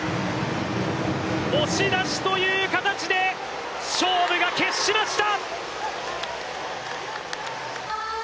押し出しという形で勝負が決しました！